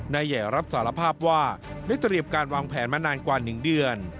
แห่รับสารภาพว่าได้เตรียมการวางแผนมานานกว่า๑เดือน